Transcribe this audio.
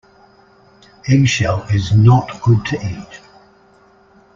Eggshell is not good to eat.